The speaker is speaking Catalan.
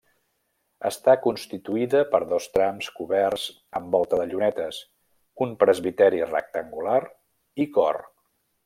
Està constituïda per dos trams coberts amb volta de llunetes, un presbiteri rectangular i cor.